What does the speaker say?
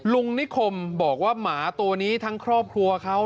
ลุงนิคมบอกว่าหมาตัวนี้ทั้งครอบครัวเขา